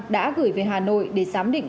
đã gửi về hà nội để xám định